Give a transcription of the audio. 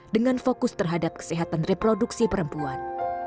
dengan fokus terhadap kesehatan reproduksi perempuan